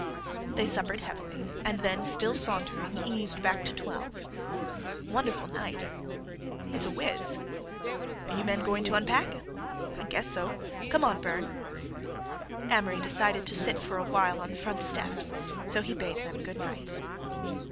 They suppered heavily and then, still sauntering, eased back to 12. "Wonderful night." "It's a whiz." "You men going to unpack?" "Guess so. Come on, Burne." Amory decided to sit for a while on the front steps, so he bade them good night.